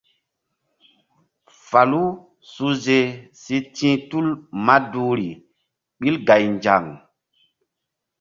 Falu suhze si ti̧h tul maduhri ɓil gaynzaŋ.